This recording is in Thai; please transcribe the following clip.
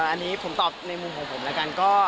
อันนี้ผมตอบในมุมของผมแล้วกัน